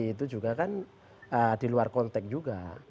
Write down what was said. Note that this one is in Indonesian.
itu juga kan di luar konteks juga